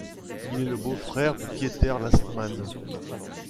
Il est le beau-frère de Pieter Lastman.